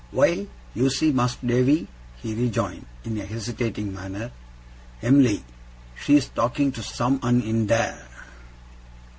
'Why, you see, Mas'r Davy,' he rejoined, in a hesitating manner, 'Em'ly, she's talking to some 'un in here.